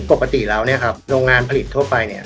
ปกติแล้วโรงงานผลิตทั่วไป